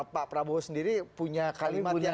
pak prabowo sendiri punya kalimat yang